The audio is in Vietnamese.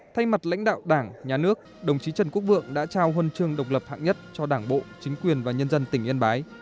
thay mặt lãnh đạo đảng nhà nước đồng chí trần quốc vượng đã trao huân chương độc lập hạng nhất cho đảng bộ chính quyền và nhân dân tỉnh yên bái